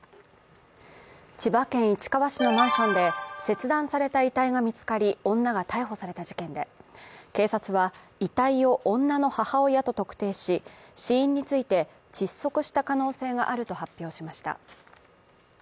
千葉県市川市のマンションで切断された遺体が見つかり、女が逮捕された事件で、警察は遺体を女の母親と特定し、死因について、窒息した可能性があると発表しました。